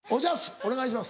お願いします。